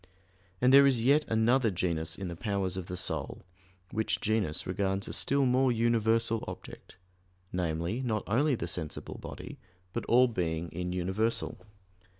And there is yet another genus in the powers of the soul, which genus regards a still more universal object namely, not only the sensible body, but all being in universal.